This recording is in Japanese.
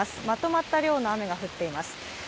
まとまった量の雨が降っています。